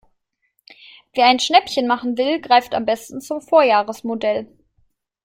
Wer ein Schnäppchen machen will, greift am besten zum Vorjahresmodell.